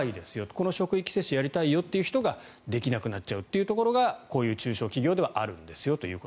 この職域接種をやりたいという人ができなくなっちゃうというところがこういう中小企業ではあるんですよと。